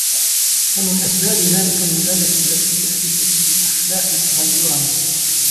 فَمِنْ أَسْبَابِ ذَلِكَ الْوِلَايَةُ الَّتِي تُحْدِثُ فِي الْأَخْلَاقِ تَغَيُّرًا